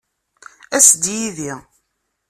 As-d yid-i.